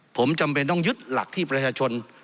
ผมจำเป็นต้องยึดหลักที่ประชาชน